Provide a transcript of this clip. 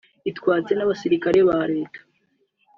itwitswe n’abasirikare ba Leta